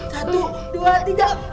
satu dua tiga